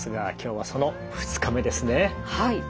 はい。